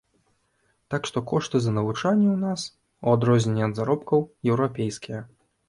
Так што кошты за навучанне ў нас, у адрозненне ад заробкаў, еўрапейскія.